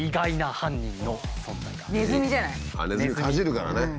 ネズミかじるからね。